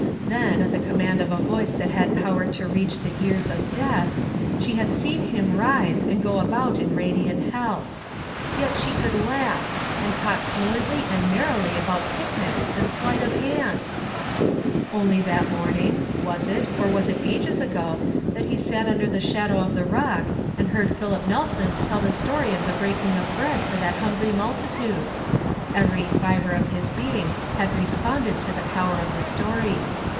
Then, at the command of a voice that had power to reach the ears of death, she had seen him rise, and go about in radiant health. Yet she could laugh, and talk fluently and merrily about picnics and sleight of hand ! Only that morning — was it, or was it ages ago — that he sat under the shadow of the rock and heard Philip Nelson tell the story of the breaking of bread for that hungiy multitude ? Every fibre of his being had responded to the power of the story.